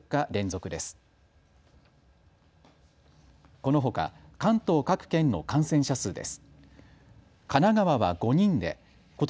このほか関東各県の感染者数です。